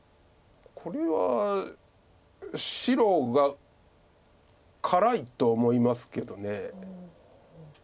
これは白が辛いと思いますけど。